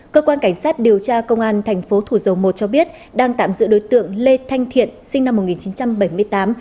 cơ quan cảnh sát điều tra công an thành phố thủ dầu một cho biết đang tạm giữ đối tượng lê thanh thiện sinh năm một nghìn chín trăm bảy mươi tám